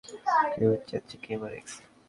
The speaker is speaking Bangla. কে বেঁচে আছে, কে মরে গেছে।